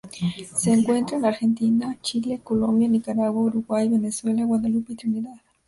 Se encuentra en Argentina, Chile, Colombia, Nicaragua, Uruguay, Venezuela, Guadalupe y Trinidad.